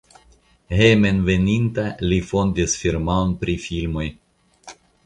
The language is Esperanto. Hejmenveninta li fondis firmaon pri filmoj.